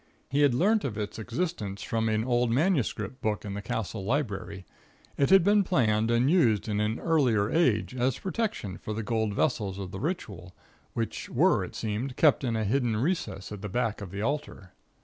He had learnt of its existence from an old manuscript book in the Castle library. It had been planned and used in an earlier age as a protection for the gold vessels of the ritual, which were, it seemed, kept in a hidden recess at the back of the altar.